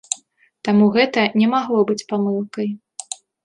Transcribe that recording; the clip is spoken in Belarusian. Таму гэта не магло быць памылкай.